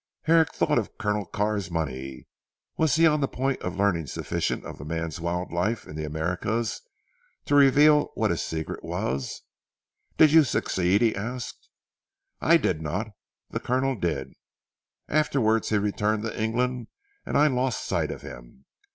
Herrick thought of Colonel Carr's money. Was he on the point of learning sufficient of the man's wild life in the Americas, to reveal what his secret was? "Did you succeed?" he asked. "I did not the Colonel did. Afterwards he returned to England, and I lost sight of him.